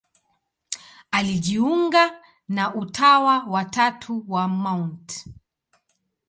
Alijiunga na Utawa wa Tatu wa Mt.